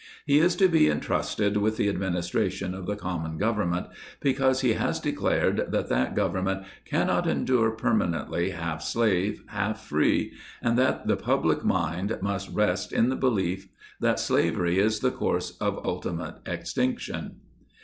He is to be entrusted with the administration of the Common Government, because he has declared that that "Government cannot endure per manently half slave, half free," and that the public mind must rest in the belief that Slavery is in the course of ulti mate extinction.